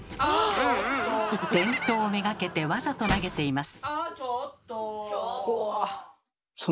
電灯目がけてわざと投げています。